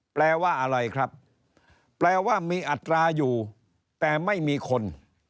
แปลว่าอะไรครับแปลว่ามีอัตราอยู่แต่ไม่มีคน